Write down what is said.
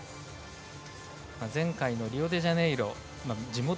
前回のリオデジャネイロ。